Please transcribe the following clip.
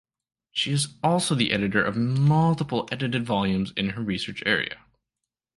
She is also the editor of multiple edited volumes in her research area.